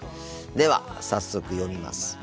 では早速読みます。